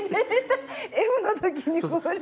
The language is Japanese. Ｆの時にこれ。